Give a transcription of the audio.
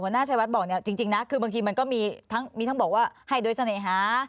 หัวหน้าชายวัดบอกจริงนะคือบางทีมันก็มีถ้ามีท่านบอกว่าให้โดยเสน่หา